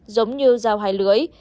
giống như dao hải lưỡi